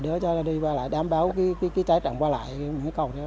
đỡ gây tài nạn